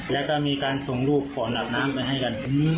แล้วก็มีการส่งลูกขอหลับน้ำไปให้กัน